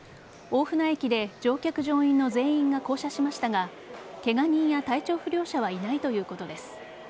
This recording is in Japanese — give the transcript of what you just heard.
大船駅で乗客・乗員の全員が降車しましたがケガ人や体調不良者はいないということです。